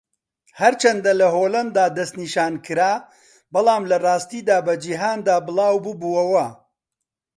ھەرچەندە لە ھۆلەندا دەستنیشانکرا بەڵام لەڕاستیدا بە جیھاندا بڵاوببۆوە.